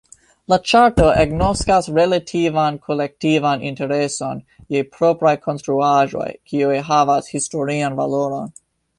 La ĉarto agnoskas relativan kolektivan intereson je propraj konstruaĵoj, kiuj havas historian valoron.